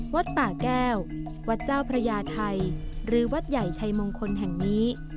วัดป่าแก้วหรือวัดวัดเย่ยไชมงคลแห่งนี้